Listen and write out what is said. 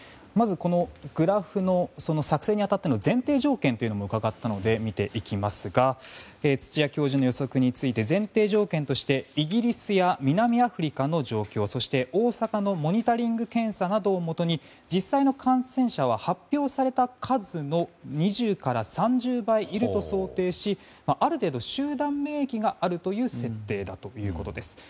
まず、このグラフの作成に当たっての前提条件というのも伺ったので見ていきますが土谷教授の予測について前提条件としてイギリスや南アフリカの状況そして大阪のモニタリング検査などをもとに実際の感染者は発表された数の２０から３０倍いると想定しある程度、集団免疫があるという設定だということです。